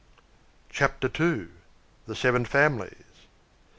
CHAPTER II. THE SEVEN FAMILIES.